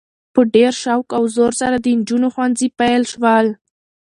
په ډیر شوق او زور سره د نجونو ښونځي پیل شول؛